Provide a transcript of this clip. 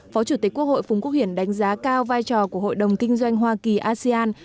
phó chủ tịch quốc hội phùng quốc hiển đánh giá cao vai trò của hội đồng kinh doanh hoa kỳ asean